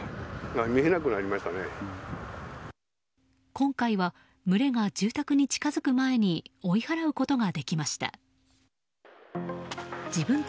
今回は群れが住宅に近づく前に追い払うことができました。